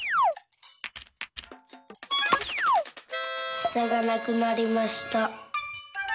「したがなくなりました。